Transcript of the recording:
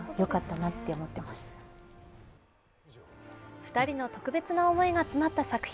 ２人の特別な思いが詰まった作品。